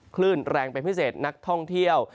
คลื่นแรงเป็นพิเศษนักท่องเที่ยว